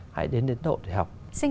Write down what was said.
hãy đến ấn độ để học